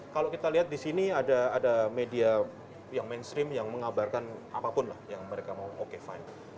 kalau kita lihat di sini ada media yang mainstream yang mengabarkan apapun lah yang mereka mau oke fine